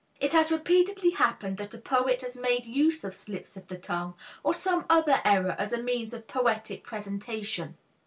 It has repeatedly happened that a poet has made use of slips of the tongue or some other error as a means of poetic presentation.